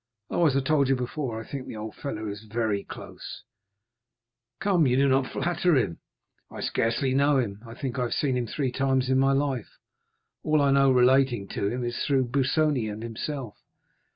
Oh, as I told you before, I think the old fellow is very close." "Come, you do not flatter him." "I scarcely know him; I think I have seen him three times in my life; all I know relating to him is through Busoni and himself.